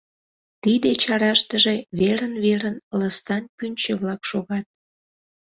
Тиде чараштыже верын верын лыстан пӱнчӧ-влак шогат.